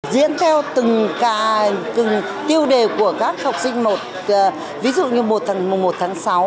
diễn theo từng tiêu đề của các học sinh ví dụ như mùa một tháng sáu